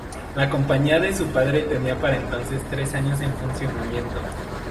La compañía de su padre tenía para entonces tres años en funcionamiento.